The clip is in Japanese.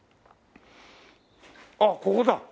あっここだ。